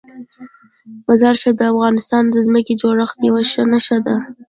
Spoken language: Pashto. مزارشریف د افغانستان د ځمکې د جوړښت یوه ښه نښه ده.